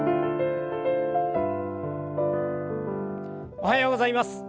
おはようございます。